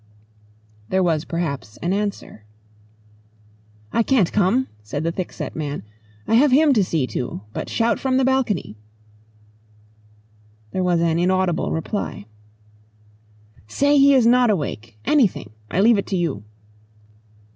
There was perhaps an answer. "I can't come," said the thickset man; "I have him to see to. But shout from the balcony." There was an inaudible reply. "Say he is not awake. Anything! I leave it to you."